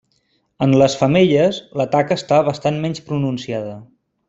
En les femelles, la taca està bastant menys pronunciada.